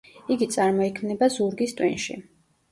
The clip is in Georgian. იგი წარმოიქმნება ზურგის ტვინში.